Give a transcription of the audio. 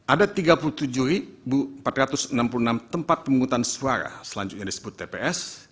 ada tiga puluh tujuh empat ratus enam puluh enam tempat pemungutan suara selanjutnya disebut tps